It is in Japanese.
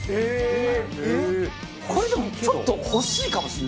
これでもちょっと欲しいかもしれないですね。